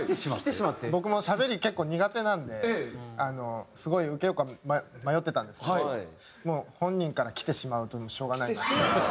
僕もしゃべり結構苦手なんであのすごい受けようか迷ってたんですけどもう本人から来てしまうとしょうがない。